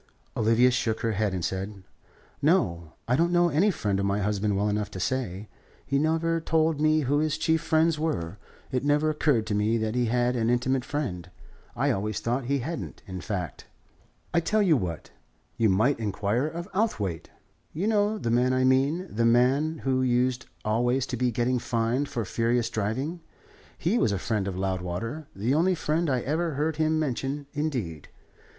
Olivia shook her head, and said: "No. I don't know any friend of my husband well enough to say. He never told me who his chief friends were. It never occurred to me that he had an intimate friend. I always thought he hadn't, in fact." "I tell you what: you might inquire of Outhwaite, you know the man I mean, the man who used always to be getting fined for furious driving. He was a friend of Loudwater, the only friend I ever heard him mention, indeed.